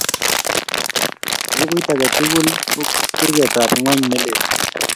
Bukuit age tugul ko kurketap ngony nelel